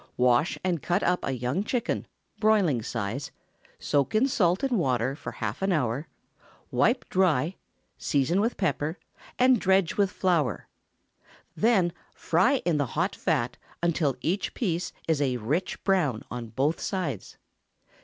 Wash and cut up a young chicken (broiling size), soak in salt and water for half an hour; wipe dry, season with pepper, and dredge with flour; then fry in the hot fat until each piece is a rich brown on both sides.